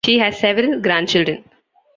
She has several grandchildren.